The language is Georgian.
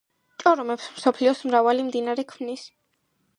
ჭორომებს მსოფლიოს მრავალი მდინარე ქმნის.